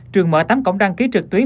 trường mở tám cổng đăng ký trực tuyến